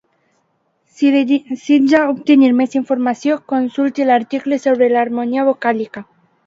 Si desitja obtenir més informació, consulti l'article sobre l'harmonia vocàlica.